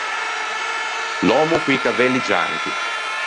L’òmmo co-i cavelli gianchi.